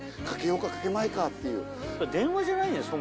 かけようかかけまいかっていう電話じゃないね